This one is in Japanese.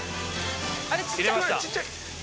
入れました。